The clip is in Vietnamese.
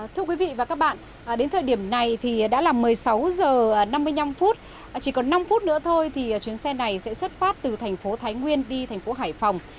thưa quý vị và các bạn đến thời điểm này thì đã là một mươi sáu h năm mươi năm chỉ còn năm phút nữa thôi thì chuyến xe này sẽ xuất phát từ thành phố thái nguyên đi thành phố hải phòng